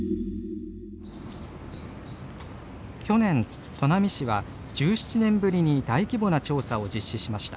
去年砺波市は１７年ぶりに大規模な調査を実施しました。